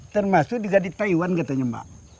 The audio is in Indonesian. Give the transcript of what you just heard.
termasuk juga di taiwan katanya mbak